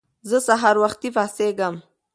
زه سهار وختی پاڅیږم